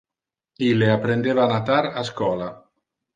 Ille apprendeva a natar a schola.